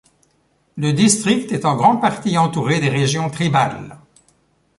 Le district est en grande partie entouré des régions tribales.